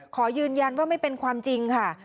ขอยืนยันว่าไม่เป็นความจริงค่ะ